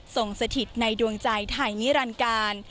ส่งสถิตในดวงใจไถ่นิรันกาล